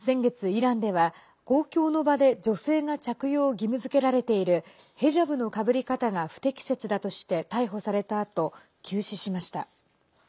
イランでは、公共の場で女性が着用を義務づけられているヘジャブのかぶり方が不適切だとして逮捕されたあと急死しました。